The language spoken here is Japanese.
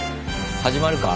始まるか？